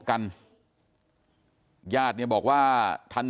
กลุ่มตัวเชียงใหม่